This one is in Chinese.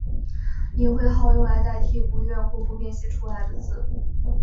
隐讳号用来代替不愿或不便写出来的字。